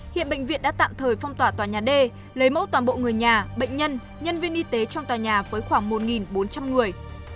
hiện bệnh viện đã tạm thời phong tỏa tòa nhà d lấy mẫu toàn bộ người nhà bệnh nhân nhân viên y tế trong tòa nhà với khoảng một bốn trăm linh người